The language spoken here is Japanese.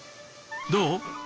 どう？